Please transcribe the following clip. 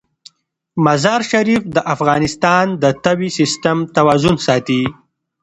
مزارشریف د افغانستان د طبعي سیسټم توازن ساتي.